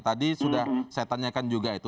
tadi sudah saya tanyakan juga itu